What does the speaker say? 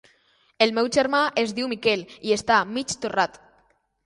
El meu germà es diu Miquel i està mig torrat.